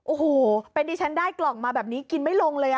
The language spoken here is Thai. โอ้โหเป็นดิฉันได้กล่องมาแบบนี้กินไม่ลงเลย